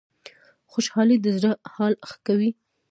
خوشحالي د زړه حال ښه کوي